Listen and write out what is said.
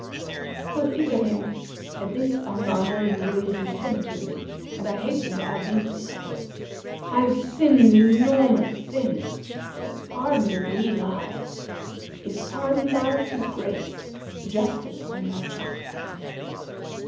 (Quoth Ibrahim), At this Al Maamun raised his head to me and I hastened to add these two couplets, 'I've sinned enormous sin, * But pardon in thee lies: If pardon thou, 'tis grace; * Justice an thou chastise!'